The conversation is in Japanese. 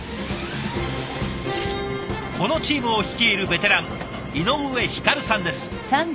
このチームを率いるベテラン井上光さんです。